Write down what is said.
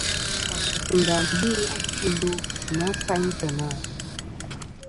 A sus ndà mu a kindo i na sayn teyna?